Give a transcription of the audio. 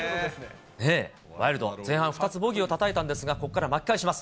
ワイルド、前半２つ、ボギーをたたいたんですが、ここから巻き返します。